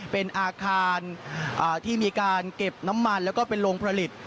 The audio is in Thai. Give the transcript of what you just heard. เป็นอาคารที่มีการเก็บน้ำมันแล้วก็เป็นโรงผลิต